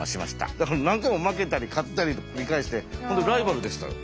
だから何回も負けたり勝ったりの繰り返しで本当にライバルでしたよ。